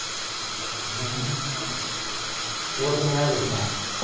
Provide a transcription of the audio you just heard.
うん記憶にないですね。